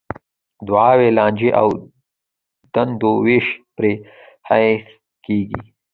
دعاوې، لانجې او دندو وېش پرې بحث کېږي.